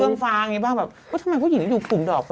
งฟ้าอย่างนี้บ้างแบบทำไมผู้หญิงอยู่กลุ่มดอก